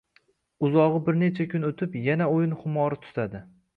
Uzogʻi bir necha kun oʻtib yana oʻyin xumori tutadi